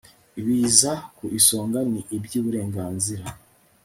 ibiza ku isonga ni iby uburenganzira